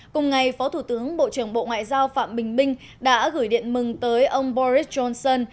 cùng ngày phó thủ tướng bộ trưởng bộ ngoại giao phạm bình minh đã gửi điện mừng tới ông boris johnson